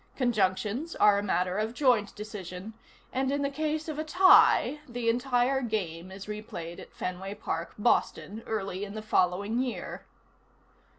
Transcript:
Conjunctions are a matter of joint decision, and in the case of a tie, the entire game is replayed at Fenway Park, Boston, early in the following year.